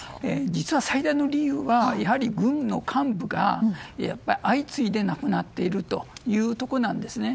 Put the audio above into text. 実は最大の理由はやはり軍の幹部が相次いで亡くなっているというところなんですね。